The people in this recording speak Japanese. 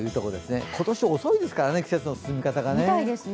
今年、遅いですからね、季節の進み方が。